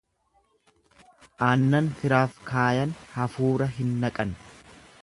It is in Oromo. Aannan firaaf kaayan hafuura hin naqan.